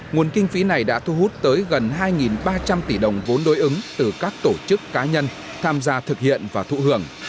nguồn kinh phí này đã thu hút tới gần hai ba trăm linh tỷ đồng vốn đối ứng từ các tổ chức cá nhân tham gia thực hiện và thụ hưởng